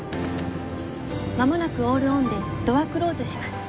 まもなくオールオンでドアクローズします。